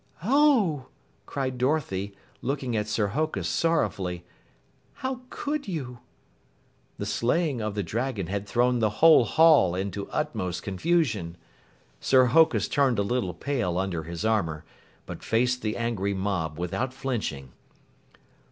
"Oh!" cried Dorothy, looking at Sir Hokus sorrowfully. "How could you?" The slaying of the dragon had thrown the whole hall into utmost confusion. Sir Hokus turned a little pale under his armor, but faced the angry mob without flinching.